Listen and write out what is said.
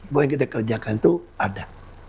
bahwa yang kita kerjakan itu ada